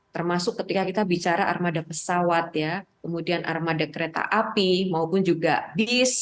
termasuk ketika kita bicara armada pesawat ya kemudian armada kereta api maupun juga bis